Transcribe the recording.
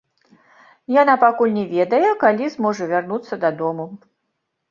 Яна пакуль не ведае, калі зможа вярнуцца дадому.